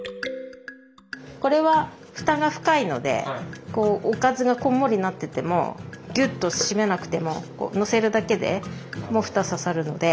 これは蓋が深いのでおかずがこんもりなっててもギュッと閉めなくても載せるだけでもう蓋ささるので。